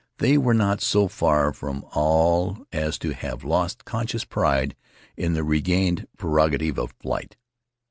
They were not so far from all that as to have lost conscious pride in their regained prerogative of flight.